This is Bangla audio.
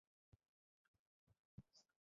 আমি তো কোনোকিছুর সাথে ছিলাম না।